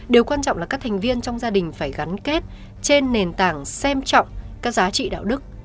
điều quan trọng là các thành viên trong gia đình phải gắn kết trên nền tảng xem trọng các giá trị đạo đức